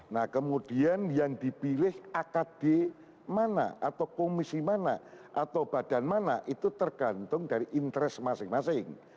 nah kemudian yang dipilih akd mana atau komisi mana atau badan mana itu tergantung dari interest masing masing